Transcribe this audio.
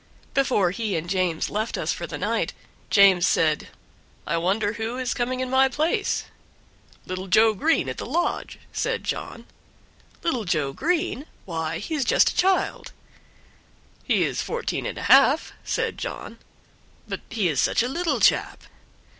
Before he and James left us for the night James said, "I wonder who is coming in my place." "Little Joe Green at the lodge," said John. "Little Joe Green! why, he's a child!" "He is fourteen and a half," said John. "But he is such a little chap!"